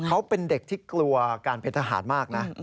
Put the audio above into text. เขาเป็นเด็กที่กลัวการเป็นทหารมากนะ